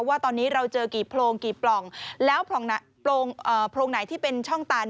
ว่าตอนนี้เราเจอกี่โพรงกี่ปล่องแล้วโพรงไหนที่เป็นช่องตัน